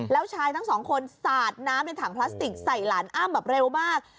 แล้วชายทั้งสองคนสาดน้ำในถังพลาสติกใส่หลานอ้ำแบบเร็วมาก